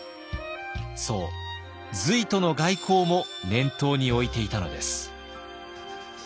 そう隋との外交も念頭に置いていたのです。